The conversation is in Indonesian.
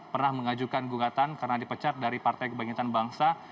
pernah mengajukan gugatan karena dipecat dari partai kebangkitan bangsa